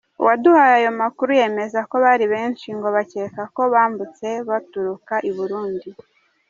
Uwaduhaye ayo Mukuru yemeza ko Bari benshi ngo bakeka ko bambutse baturuka I Burundi.